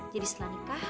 jadi setelah nikah